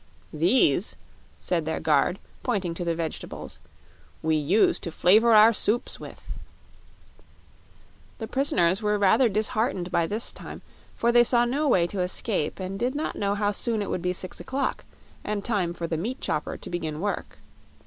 "These," said their guard, pointing to the vegetables, "we use to flavor our soups with." The prisoners were rather disheartened by this time, for they saw no way to escape and did not know how soon it would be six o'clock and time for the meatchopper to begin work.